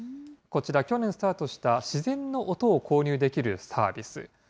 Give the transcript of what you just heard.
こちら、去年スタートした自然の音を購入できるサービス。